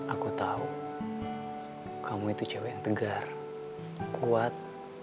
aku tahu kamu itu cewek yang tegar kuat